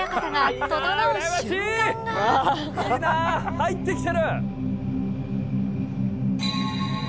入ってきてる！」